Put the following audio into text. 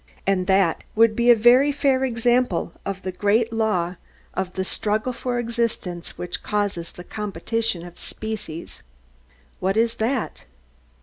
And that would be a very fair example of the great law of the struggle for existence, which causes the competition of species. What is that?